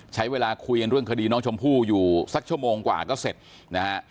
ใช้เวลาคุยกันเรื่องคดีน้องชมพู่อยู่สักชั่วโมงกว่าก็เสร็จนะฮะ